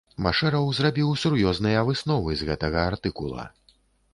Машэраў зрабіў сур'ёзныя высновы з гэтага артыкула.